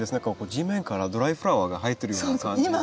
地面からドライフラワーが生えているような感じですね。